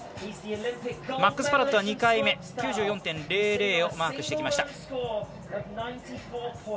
マックス・パロットは２回目９４．００をマークしてきました。